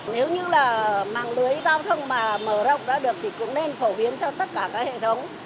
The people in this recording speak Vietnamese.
nếu như là mang lưới giao thông mà mở rộng ra được thì cũng nên phổ biến cho tất cả các hệ thống